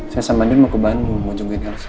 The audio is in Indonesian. saya sama andi mau ke bandung mau jemputin elsa